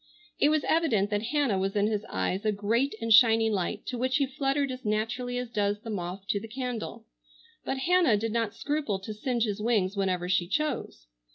It was evident that Hannah was in his eyes a great and shining light, to which he fluttered as naturally as does the moth to the candle. But Hannah did not scruple to singe his wings whenever she chose.